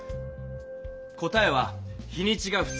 答えは日にちが２日。